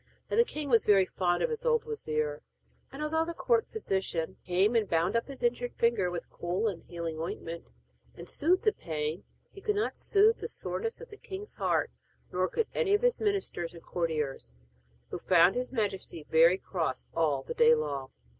Now the king was very fond of his old wazir, and although the court physician came and bound up his injured finger with cool and healing ointment, and soothed the pain, he could not soothe the soreness of the king's heart, nor could any of all his ministers and courtiers, who found his majesty very cross all the day long.